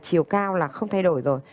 chiều cao là không thay đổi rồi